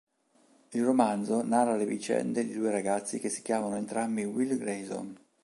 Il romanzo narra le vicende di due ragazzi che si chiamano entrambi Will Grayson.